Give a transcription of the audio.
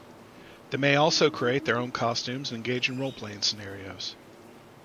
They may also create their own costumes and engage in role-playing scenarios.